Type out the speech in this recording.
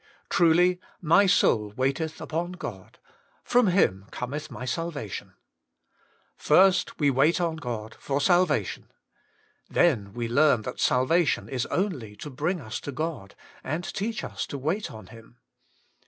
* Truly my soul waiteth upon God ; from Him cometh my salvation.* First we wait on God for salvation. Then we leam that salvation is only to bring us to God, and teach ua to wait on Him.